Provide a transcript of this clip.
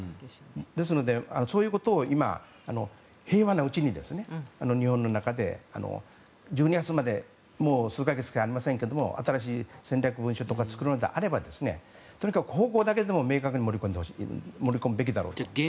ですので、そういうことを今平和なうちに日本の中で１２月までもう数か月しかありませんけども新しい戦略文書とかを作るのであればとにかく方法だけでも盛り込むべきだと思います。